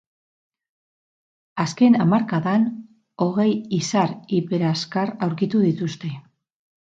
Azken hamarkadan hogei izar hiperazkar aurkitu dituzte.